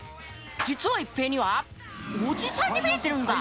実は一平にはおじさんに見えてるんだ。